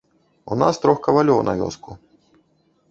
У нас трох кавалёў на вёску.